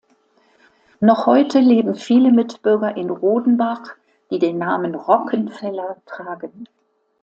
Noch heute leben viele Mitbürger in Rodenbach, die den Namen Rockenfeller tragen.